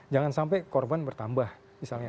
jangan sampai korban bertambah misalnya